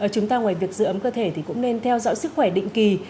chúng ta ngoài việc giữ ấm cơ thể thì cũng nên theo dõi sức khỏe định kỳ